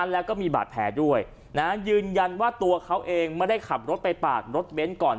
แล้วก็มีบาดแผลด้วยยืนยันว่าตัวเขาเองไม่ได้ขับรถไปปาดรถเบ้นก่อน